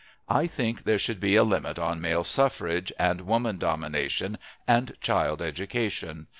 I think there should be a limit on male suffrage, and woman domination, and child education.